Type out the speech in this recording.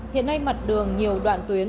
hiện nay mặt đường nhiều đoạn tuyến